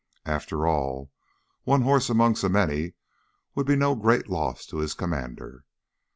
After all, one horse among so many would be no great loss to his commander.